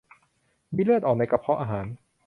มีเลือดออกในกระเพาะอาหาร